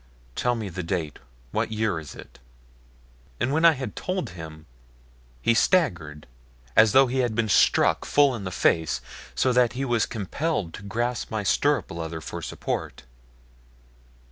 Tell me the date. What year is it?" And when I had told him he staggered as though he had been struck full in the face, so that he was compelled to grasp my stirrup leather for support.